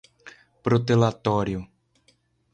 protelatório